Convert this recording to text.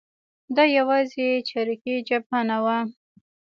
دا یوازې چریکي جبهه نه وه.